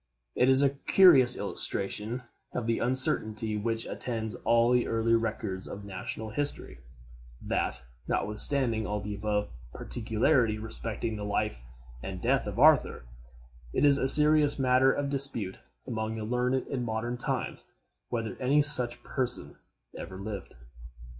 It is a curious illustration of the uncertainty which attends all the early records of national history, that, notwithstanding all the above particularity respecting the life and death of Arthur, it is a serious matter of dispute among the learned in modern times whether any such person ever lived.